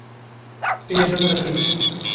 Tu yê bibiriqî.